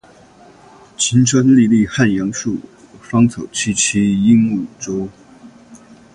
晴川历历汉阳树，芳草萋萋鹦鹉洲。